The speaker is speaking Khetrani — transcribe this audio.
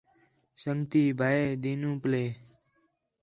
سنڳتی ٻئہ ݙِین٘ہوں پہلے